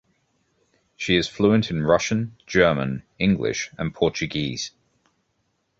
She is fluent in Russian, German, English, and Portuguese.